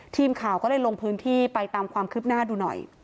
ทีมข่าวก็เลยลงพื้นที่ไปตามความคืบหน้าดูหน่อย